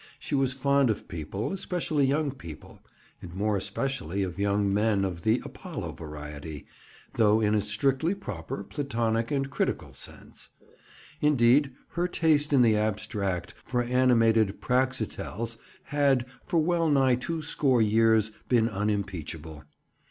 She was fond of people, especially young people, and more especially of young men of the Apollo variety, though in a strictly proper, platonic and critical sense. Indeed, her taste in the abstract, for animated Praxiteles had, for well nigh two score of years, been unimpeachable.